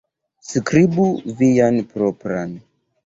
Skribu vian propran